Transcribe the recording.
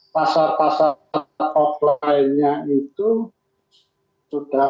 pasar pasar offline nya itu sudah